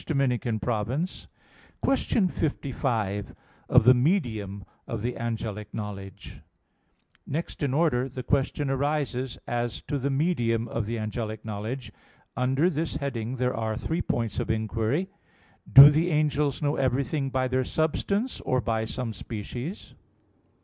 _______________________ QUESTION 55 OF THE MEDIUM OF THE ANGELIC KNOWLEDGE (In Three Articles) Next in order, the question arises as to the medium of the angelic knowledge. Under this heading there are three points of inquiry: (1) Do the angels know everything by their substance, or by some species?